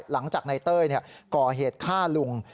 หลังจากนายเต้ยก่อเหตุฆ่าลุง